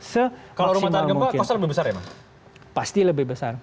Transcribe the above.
se maksimal mungkin kalau rumah tahan gempa kosnya lebih besar ya